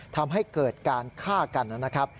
ทำให้เกิดการฆ่ากันนะครับ